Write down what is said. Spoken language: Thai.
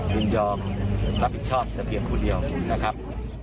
ดินยอบกับผิดชอบสะเกียงคนเดียวนะครับ